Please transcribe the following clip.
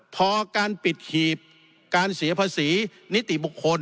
พอการปิดหีบการเสียภาษีนิติบุคคล